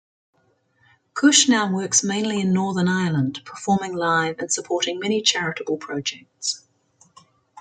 Cush now works mainly in Northern Ireland, performing live and supporting many charitable projects.